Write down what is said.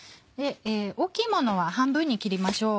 大きいものは半分に切りましょう。